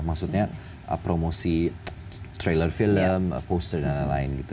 maksudnya promosi trailer film poster dan lain lain gitu